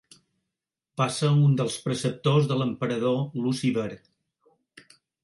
Va ser un dels preceptors de l'emperador Luci Ver.